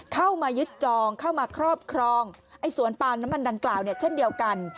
เข้ามายึดจองเข้ามาครอบครองไอ้สวนปาล์มน้ำมันดังกล่าวเนี่ยเช่นเดียวกัน